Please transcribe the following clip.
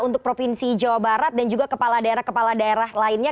untuk provinsi jawa barat dan juga kepala daerah kepala daerah lainnya